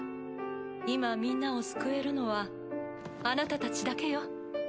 今みんなを救えるのはあなたたちだけよ。